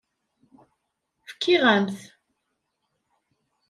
Fkiɣ-am-t.